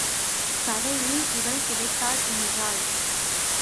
கடையில் இவள் கிடைத்தாள் என்றாள்.